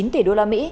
ba chín tỷ usd